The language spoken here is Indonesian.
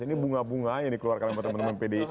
ini bunga bunga yang dikeluarkan oleh teman teman green dry ini